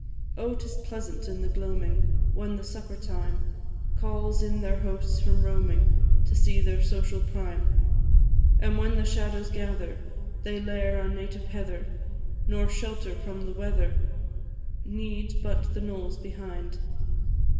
Oh, 'tis pleasant, in the gloaming, When the supper time Calls all their hosts from roaming, To see their social prime; And when the shadows gather, They lair on native heather, Nor shelter from the weather Need, but the knolls behind.